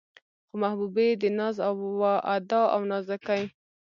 خو محبوبې يې د ناز و ادا او نازکۍ